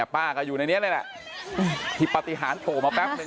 ป้าก็อยู่ในนี้แหละที่ปฏิหารโถมาแป๊บหนึ่ง